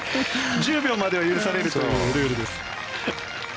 １０秒までは許されるというルールです。